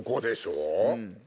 うん。